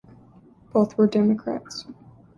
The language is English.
Both were Democrats.